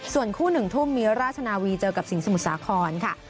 ส่วนคู่๑ทุ่มมีราชนาวีเจอกับสิงหมุทรสาครค่ะ